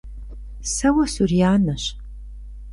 Сэ уэ сурианэщ!